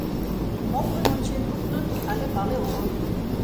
Мом гын ончен луктыт — але пале огыл.